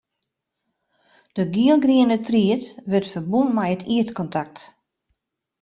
De gielgriene tried wurdt ferbûn mei it ierdkontakt.